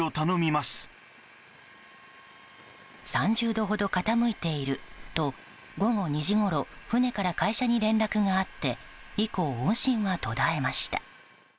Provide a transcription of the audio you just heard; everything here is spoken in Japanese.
３０度ほど傾いていると午後２時ごろ会社に連絡があって以降、音信は途絶えました。